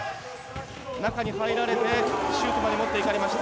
中に入られてシュートまでもっていかれました。